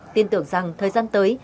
tin tưởng rằng thời gian tới